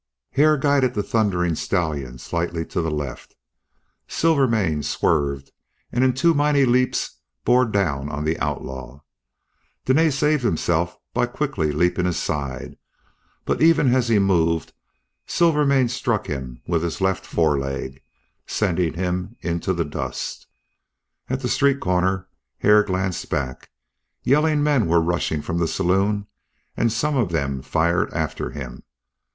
Hare guided the thundering stallion slightly to the left. Silvermane swerved and in two mighty leaps bore down on the outlaw. Dene saved himself by quickly leaping aside, but even as he moved Silvermane struck him with his left fore leg, sending him into the dust. At the street corner Hare glanced back. Yelling men were rushing from the saloon and some of them fired after him.